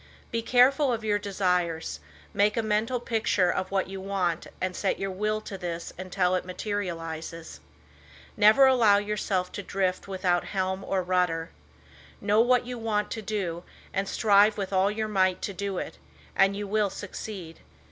Be careful of your desires, make a mental picture of what you want and set your will to this until it materializes. Never allow yourself to drift without helm or rudder. Know what you want to do, and strive with all your might to do it, and you will succeed.